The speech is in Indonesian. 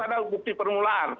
kalau ada bukti permulaan